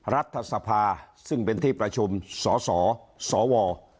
รัฐสภาซึ่งเป็นที่ประชุมสสสว